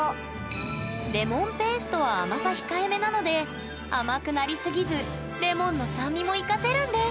レモンペーストは甘さ控え目なので甘くなりすぎずレモンの酸味も生かせるんです！